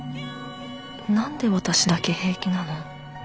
何で私だけ平気なの？